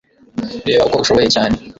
reba uko ushoboye cyane.